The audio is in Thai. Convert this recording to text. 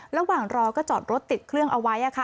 ระหว่างรอก็จอดรถติดเครื่องเอาไว้